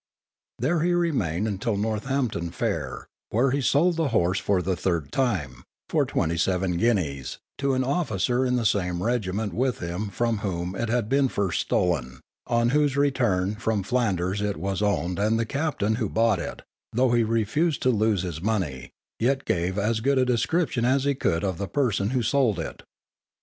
There he remained until Northampton Fair, where he sold the horse for the third time, for twenty seven guineas, to an officer in the same regiment with him from whom it had been first stolen, on whose return from Flanders it was owned and the captain who bought it (though he refused to lose his money) yet gave as good description as he could of the person who sold it.